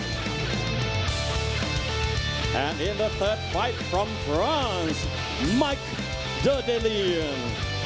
และที่สุดท้ายจากฟรานส์มิคเดอร์เดลียน